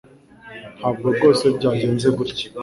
Ntabwo rwose byagenze gutya